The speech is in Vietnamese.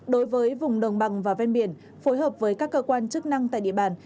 đối với vùng đồng bằng và ven biển phối hợp với các cơ quan chức năng tại địa bàn